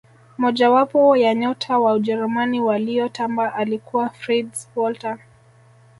moja wapo ya nyota wa ujerumani waliyotamba alikuwa fritz walter